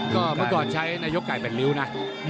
ก็เมื่อก่อนใช้ไหนยกไก่แผ่นริ้วนะ